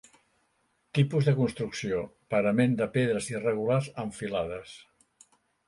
Tipus de construcció: parament de pedres irregulars en filades.